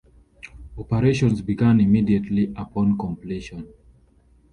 Operations began immediately upon completion.